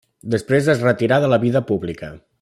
Després es retirà de la vida pública.